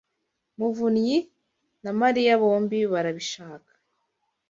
muvunyi na Mariya bombi barabishaka.